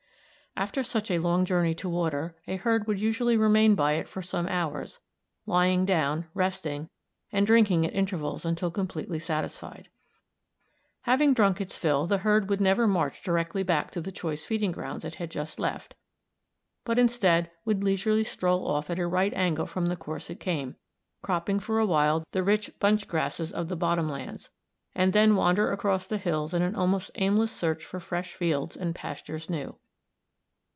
After such a long journey to water, a herd would usually remain by it for some hours, lying down, resting, and drinking at intervals until completely satisfied. Having drunk its fill, the herd would never march directly back to the choice feeding grounds it had just left, but instead would leisurely stroll off at a right angle from the course it came, cropping for awhile the rich bunch grasses of the bottom lands, and then wander across the hills in an almost aimless search for fresh fields and pastures new.